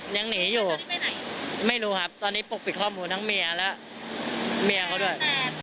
ยังหนีอยู่ไม่รู้ครับตอนนี้ปกปิดข้อมูลทั้งเมียและเมียเขาด้วย